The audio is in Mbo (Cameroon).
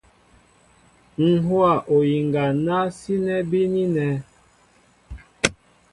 Ǹ hówa oyiŋga ná sínɛ́ bínínɛ̄.